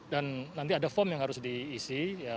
dan nanti ada form yang harus diisi